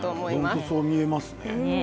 本当に、そう見えますね。